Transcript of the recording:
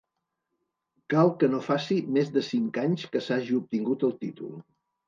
Cal que no faci més de cinc anys que s'hagi obtingut el títol.